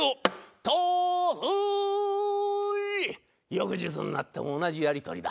翌日になっても同じやり取りだ。